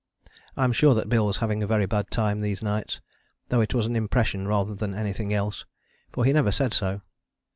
I am sure that Bill was having a very bad time these nights, though it was an impression rather than anything else, for he never said so.